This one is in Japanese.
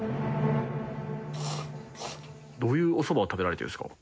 どういうおそばを食べられてるんですか？